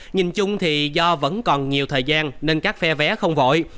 nhìn chung thì do vẫn còn nhiều thời gian nên các phe vé không vội